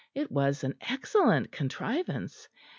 It was an excellent contrivance.